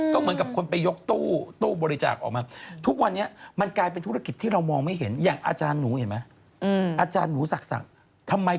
แต่ก็ยังต้องจ้างอาจารย์หนูไปศักดิ์